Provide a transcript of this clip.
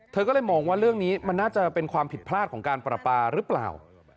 เธอก็เลยมองว่าเรื่องนี้มันน่าจะเป็นความผิดพลาดของการปราปาหรือเปล่า